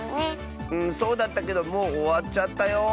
うんそうだったけどもうおわっちゃったよ。